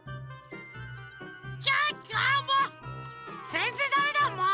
ぜんぜんダメだもう！